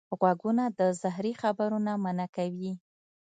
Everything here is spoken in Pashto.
غوږونه د زهري خبرو نه منع کوي